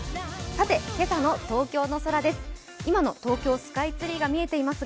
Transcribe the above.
さて今朝の東京の空です。